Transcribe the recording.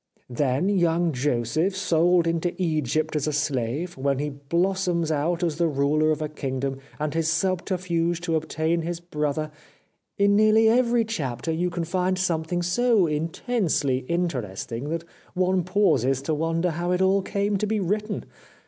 "' Then, young Joseph sold into Egypt as a slave, when he blossoms out as the ruler of a kingdom, and his subterfuge to obtain his brother. In nearly every chapter you can find 3»i The Life of Oscar Wilde something so intensely interesting that one pauses to wonder how it all came to be written.